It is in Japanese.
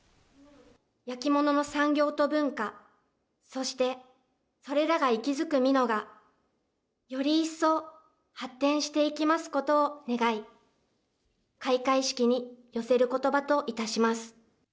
焼き物の産業と文化、そしてそれらが息づく美濃がより一層発展していきますことを願い、開会式に寄せることばといたします。